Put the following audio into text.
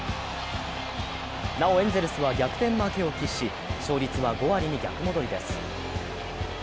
なおエンゼルスは逆転負けを喫し、勝率は５割に逆戻りです。